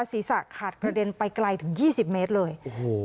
ศรีษะขาดกระเด็นไปไกลถึงยี่สิบเมตรเลยโอ้โห